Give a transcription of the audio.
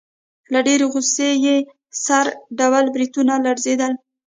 له ډېرې غوسې يې سره ډبل برېتونه لړزېدل.